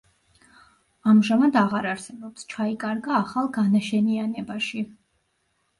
ამჟამად აღარ არსებობს, ჩაიკარგა ახალ განაშენიანებაში.